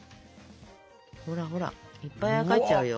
ほらほらいっぱいあやかっちゃうよ。